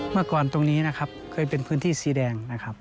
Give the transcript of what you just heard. เมื่อก่อนตรงนี้นะครับเคยเป็นพื้นที่สีแดงนะครับ